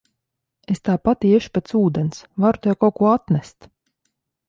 Es tāpat iešu pēc ūdens, varu tev kaut ko atnest.